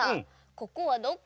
ここはどこ？